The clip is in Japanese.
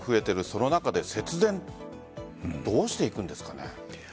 その中で節電どうしていくんですかね？